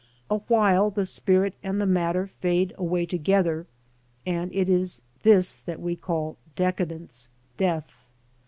Awhile the spirit and the matter fade away together, and it is this that we call decadence, death.